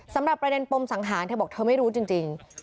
สำหรับประเด็นปมสังหารเธอบอกเธอไม่รู้จริง